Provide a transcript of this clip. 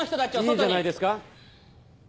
いいじゃないですか。